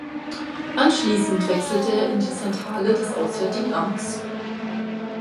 Anschließend wechselte er in die Zentrale des Auswärtigen Amts.